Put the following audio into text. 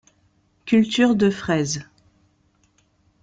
Culture de fraises.